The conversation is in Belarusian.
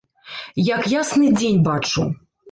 Як ясны дзень бачу.